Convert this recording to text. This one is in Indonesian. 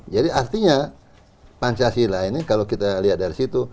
jadi artinya pancasila ini kalau kita lihat dari situ